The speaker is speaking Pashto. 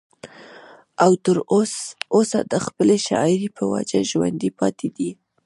او تر اوسه د خپلې شاعرۍ پۀ وجه ژوندی پاتې دی